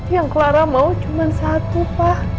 yang clara mau cuma satu pak